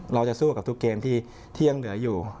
เราจะสู้กับทุกเกมที่ยังเหลืออยู่